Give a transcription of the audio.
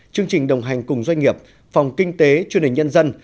chương trình đồng hành cùng doanh nghiệp phòng kinh tế truyền hình nhân dân